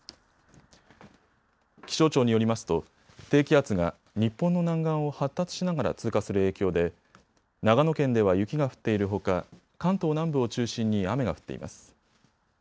気象庁によりますと低気圧が日本の南岸を発達しながら通過する影響で長野県では雪が降っているほか関東南部を中心に雨が降っています。